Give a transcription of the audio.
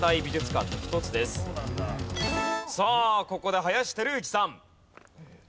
さあここで林輝幸さん。